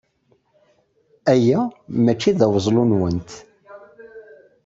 Aya maci d aweẓlu-nwent.